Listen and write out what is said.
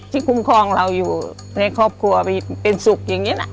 คุ้มครองเราอยู่ในครอบครัวไปเป็นสุขอย่างนี้นะ